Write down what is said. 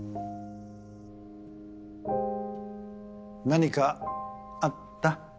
何かあった？